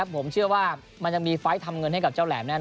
ผมเชื่อว่ามันจะมีไฟล์ทำเงินให้กับเจ้าแหลมแน่น